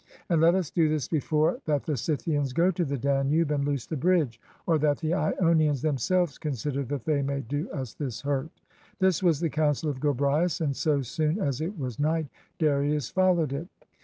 And let us do this before that the Scythians go to the Danube and loose the bridge, or that the lonians themselves consider that they may do us this hurt." This was the counsel of Gobryas; and so soon as it was night Darius followed it.